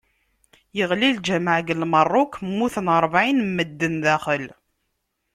Yeɣli lǧameɛ deg Merruk, mmuten rebɛin n medden sdaxel.